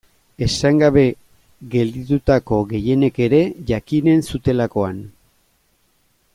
Esan gabe gelditutako gehienek ere jakinen zutelakoan.